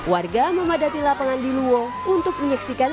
warga memadati lapangan liluwo untuk menyeksikan